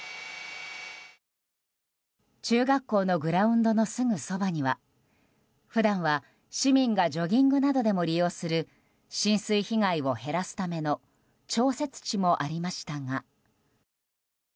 中学校のグラウンドのすぐそばには普段は市民がジョギングなどでも利用する浸水被害を減らすための調節池もありましたが。